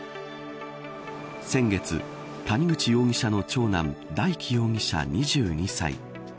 先月、谷口容疑者の長男大祈容疑者、２２歳